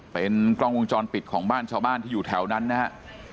เป็นกล้องวงจรปิดของบ้านชาวบ้านที่อยู่แถวนั้นนะครับ